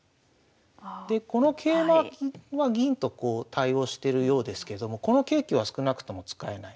でこの桂馬は銀とこう対応してるようですけどもこの桂香は少なくとも使えない。